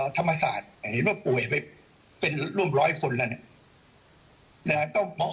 ธรรมศาสตร์เห็นว่าป่วยไปเป็นร่วมร้อยคนแล้วเนี่ย